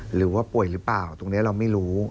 หรือว่าป่วยหรือเปล่าตรงนี้เราไม่รู้